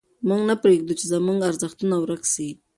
موږ نه پرېږدو چې زموږ ارزښتونه ورک سي.